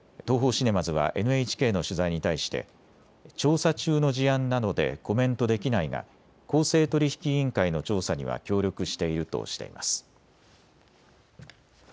シネマズはＮＨＫの取材に対して調査中の事案なのでコメントできないが公正取引委員会の調査には協力しているとしています。